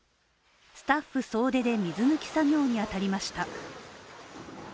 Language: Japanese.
スタッフ総出で水抜き作業に当たりました。